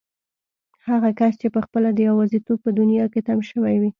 هغه کس چې پخپله د يوازيتوب په دنيا کې تم شوی وي.